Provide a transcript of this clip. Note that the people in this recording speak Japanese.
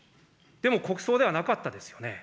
でも国葬ではなかったですよね。